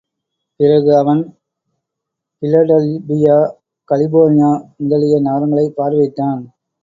பிறகு அவன் Philadelphia, California முதலிய நகரங்களைப் பார்வையிட்டான்.